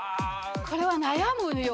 これは悩むよ。